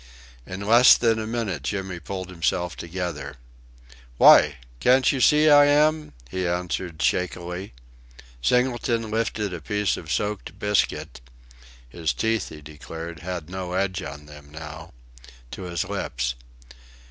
In less than a minute Jimmy pulled himself together: "Why? Can't you see I am?" he answered shakily. Singleton lifted a piece of soaked biscuit ("his teeth" he declared "had no edge on them now") to his lips.